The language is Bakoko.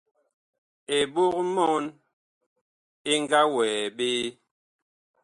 Eɓog-mɔɔn ɛ nga wɛɛ ɓe.